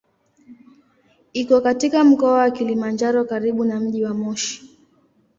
Iko katika Mkoa wa Kilimanjaro karibu na mji wa Moshi.